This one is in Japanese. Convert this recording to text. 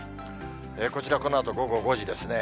こちら、このあと午後５時ですね。